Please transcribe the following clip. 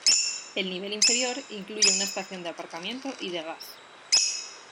El nivel inferior incluye una estación de aparcamiento y de gas.